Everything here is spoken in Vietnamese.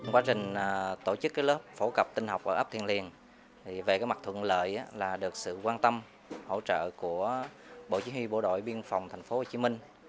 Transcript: quá trình tổ chức lớp phẫu cập tinh học ở ấp thiên liên về mặt thuận lợi là được sự quan tâm hỗ trợ của bộ chính huy bộ đội biên phòng tp hcm